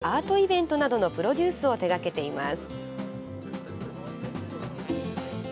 ふだんは、演劇やダンスアートイベントなどのプロデュースを手掛けています。